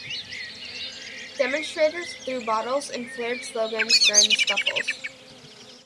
Demonstrators threw bottles and flared slogans during the scuffles.